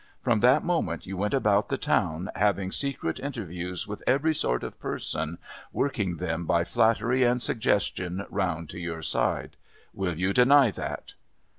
From that moment you went about the town, having secret interviews with every sort of person, working them by flattery and suggestion round to your side. Will you deny that?"